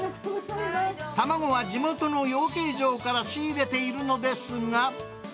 卵は地元の養鶏場から仕入れているのですが。